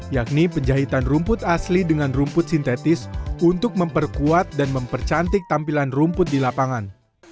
yakni penjahitan rumput asli dengan rumput sintetis untuk memperkuat dan mempercantik tampilan rumput di lapangan